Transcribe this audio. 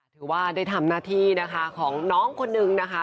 ถือว่าได้ทำหน้าที่นะคะของน้องคนนึงนะคะ